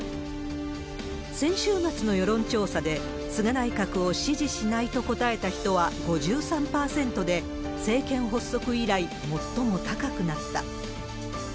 先週末の世論調査で菅内閣を支持しないと答えた人は５３％で、政権発足以来、最も高くなった。